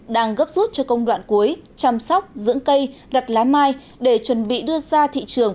đang gấp rút cho công đoạn cuối chăm sóc dưỡng cây đặt lá mai để chuẩn bị đưa ra thị trường